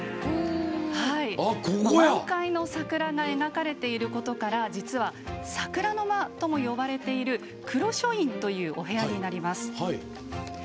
満開の桜が描かれていることから実は、桜の間とも呼ばれている黒書院というお部屋になります。